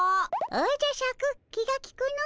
おじゃシャク気がきくの。